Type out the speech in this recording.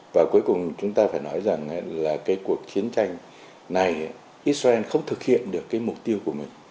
và cuối cùng chúng ta phải nói rằng là cái cuộc chiến tranh này israel không thực hiện được cái mục tiêu của mình